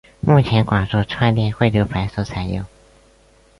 目前广受串列汇流排所采用。